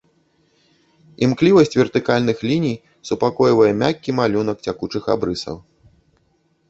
Імклівасць вертыкальных ліній супакойвае мяккі малюнак цякучых абрысаў.